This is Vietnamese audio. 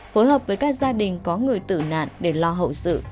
phối hợp với các gia đình có người tử nạn để lo hậu sự